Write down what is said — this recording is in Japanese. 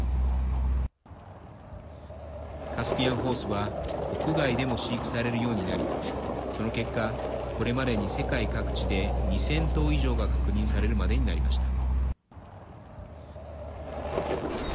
カスピアンホースは国外でも飼育されるようになりその結果、これまでに世界各地で２０００頭以上が確認されるまでになりました。